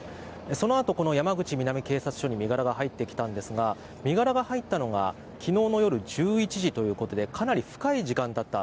そのあとこの山口南警察署に身柄が入ってきたんですが身柄が入ったのが昨日の夜１１時ということでかなり深い時間だった。